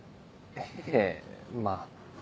ええまぁ。